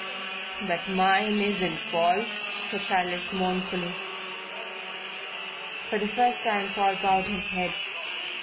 "But mine isn't, Paul," said Silas mournfully. For the first time Paul bowed his head.